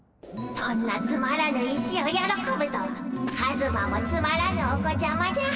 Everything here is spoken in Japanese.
そんなつまらぬ石をよろこぶとはカズマもつまらぬお子ちゃまじゃ。